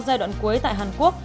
giai đoạn cuối tại hàn quốc